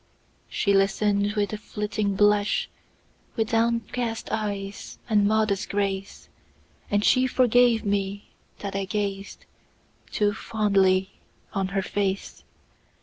She listen'd with a flitting blush, With downcast eyes and modest grace; And she forgave me, that I gazedToo fondly on her face!